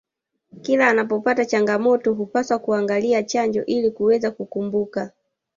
kila anapopata changamoto hupaswa kuangalia chanjo ili kuweza kukumbuka